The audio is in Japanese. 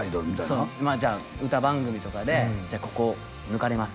そうまあじゃあ歌番組とかでここ抜かれます